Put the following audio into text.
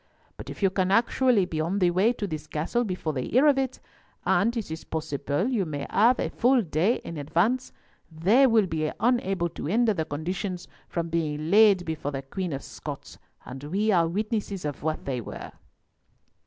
But if you can actually be on the way to this castle before they hear of it—and it is possible you may have a full day in advance—they will be unable to hinder the conditions from being laid before the Queen of Scots, and we are witnesses of what they were."